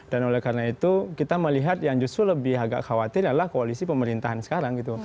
dan oleh karena itu kita melihat yang justru lebih agak khawatir adalah koalisi pemerintahan sekarang